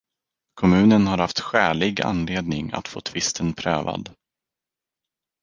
Kommunen har haft skälig anledning att få tvisten prövad.